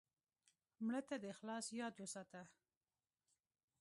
مړه ته د اخلاص یاد وساته